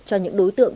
cho những đối tượng